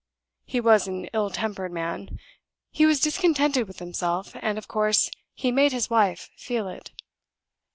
He was an ill tempered man; he was discontented with himself; and of course he made his wife feel it.